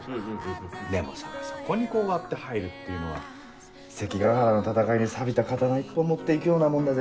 でもさそこにこう割って入るっていうのは関ヶ原の戦いにさびた刀一本持って行くようなもんだぜ。